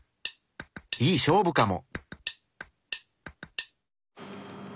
いい勝負かも。